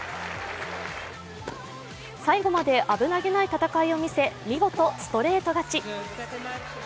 最後まで危なげない戦いを見せ、見事ストレート勝ち。